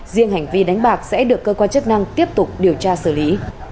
riêng hành vi đánh bạc sẽ được cơ quan chức năng tiếp tục điều tra xử lý